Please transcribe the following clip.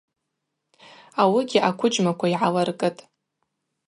Ауыгьи аквыджьмаква йгӏаларкӏытӏ.